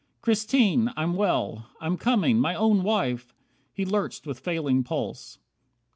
"Christine. I'm well. I'm coming. My Own Wife!" He lurched with failing pulse.